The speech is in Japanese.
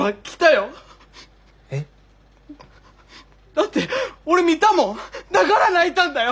だって俺見たもんだから泣いたんだよ！